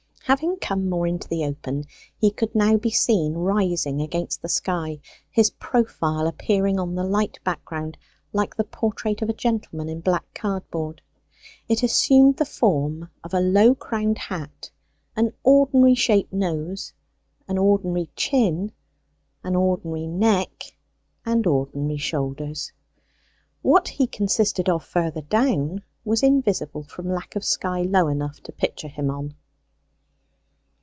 Having come more into the open he could now be seen rising against the sky, his profile appearing on the light background like the portrait of a gentleman in black cardboard. It assumed the form of a low crowned hat, an ordinary shaped nose, an ordinary chin, an ordinary neck, and ordinary shoulders. What he consisted of further down was invisible from lack of sky low enough to picture him on.